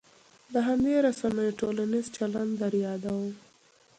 د همدې رسنیو ټولنیز چلن در یادوم.